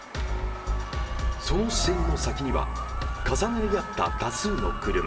その視線の先には重なり合った多数の車。